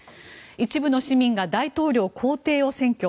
一部の市民が大統領公邸を占拠。